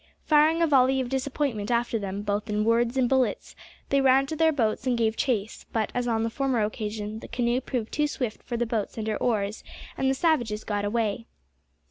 Firing a volley of disappointment after them, both in words and bullets, they ran to their boats and gave chase, but, as on the former occasion, the canoe proved too swift for the boats under oars, and the savages got away.